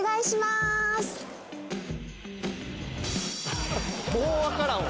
すもう分からんわ